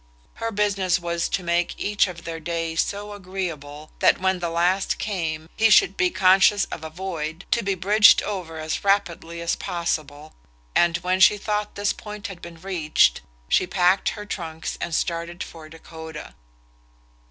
Her business was to make each of their days so agreeable that when the last came he should be conscious of a void to be bridged over as rapidly as possible and when she thought this point had been reached she packed her trunks and started for Dakota.